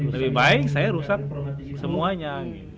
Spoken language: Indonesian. lebih baik saya rusak semuanya